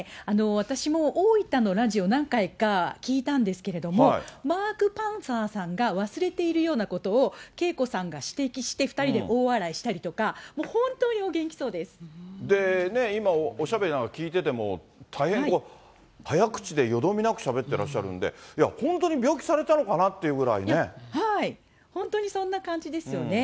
私も大分のラジオ、何回か聞いたんですけれども、マーク・パンサーさんが忘れているようなことをＫＥＩＫＯさんが指摘して、２人で大笑いしたりとか、で、ね、今、おしゃべりなんか聞いてても、大変早口でよどみなくしゃべってらっしゃるんで、本当に病気され本当にそんな感じですよね。